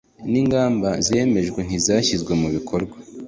n’ingamba zemejwe ntizashyizwe mu bikorwa